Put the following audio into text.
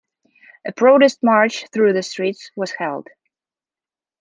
A protest march through the streets was held.